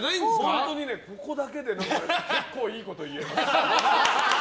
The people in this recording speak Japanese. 本当にここだけで結構いいこと言えます。